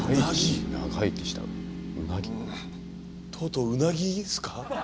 とうとうウナギですか？